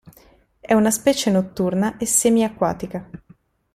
È una specie notturna e semi-acquatica.